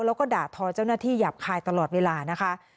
แล้วก็ด่าทอเจ้าหน้าที่หยาบคายตลอดเวลานะคะ